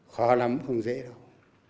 khó lắm không dễ đâu